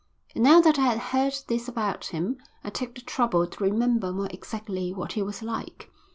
And now that I had heard this about him I took the trouble to remember more exactly what he was like.